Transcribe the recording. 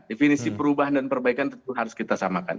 definisi perubahan dan perbaikan tentu harus kita samakan